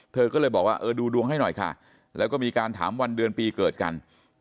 เธอก็เลยบอกว่าเออดูดวงให้หน่อยค่ะแล้วก็มีการถามวันเดือนปีเกิดกัน